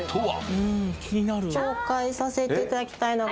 ・あっ紹介させていただきたいのが・